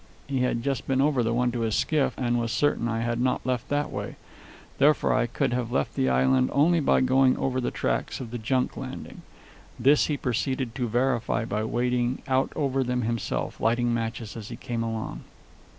He had just been over the one to his skiff, and was certain I had not left that way. Therefore I could have left the island only by going over the tracks of the junk landing. This he proceeded to verify by wading out over them himself, lighting matches as he came along.